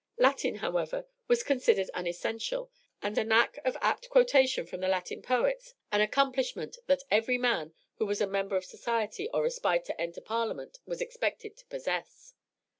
Latin, however, was considered an essential, and a knack of apt quotation from the Latin poets an accomplishment that every man who was a member of society or aspired to enter Parliament was expected to possess.